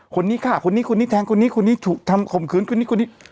คนนี้ค่ะคนนี้คนนี้แทงคนนี้คนนี้ทำคมคืนคนนี้คนนี้